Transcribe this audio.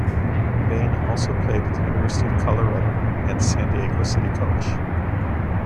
Bain also played at University of Colorado and San Diego City College.